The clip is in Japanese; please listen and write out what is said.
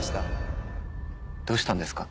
どうしたんですか？